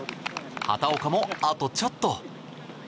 畑岡も、あとちょっと。